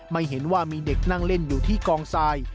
ไม่เห็นว่ามีเด็กนั่งเล่นอยู่ที่กองทราย